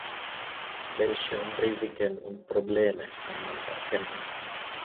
Welche Risiken und Probleme kann man erkennen?